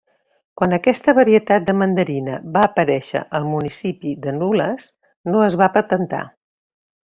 Quan aquesta varietat de mandarina va aparèixer al municipi de Nules, no es va patentar.